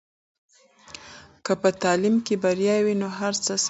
که په تعلیم کې بریا وي نو هر څه سمېږي.